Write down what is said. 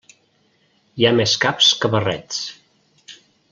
Hi ha més caps que barrets.